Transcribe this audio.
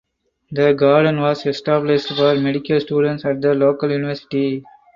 The garden was established for medical students at the local university.